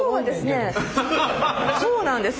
そうなんです。